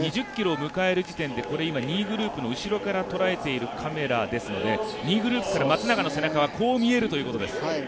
２０ｋｍを迎える時点でこれは２位グループの後ろから捉えているカメラですので２位グループから松永の背中はこう見えるということです。